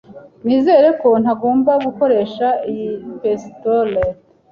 Nizere ko ntagomba gukoresha iyi pistolet.